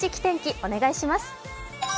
お願いします。